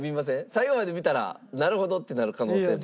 最後まで見たらなるほどってなる可能性も。